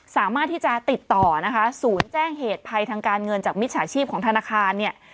สามารถที่จะติดต่อนะคะศูนย์แจ้งเหตุภัยทางการเงินจากมิจฉาชีพของธนาคารเนี่ย